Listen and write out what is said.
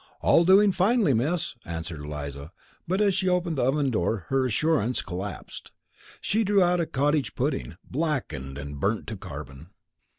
"All doing finely, Miss," answered Eliza, but as she opened the oven door her assurance collapsed. She drew out a cottage pudding, blackened and burnt to carbon.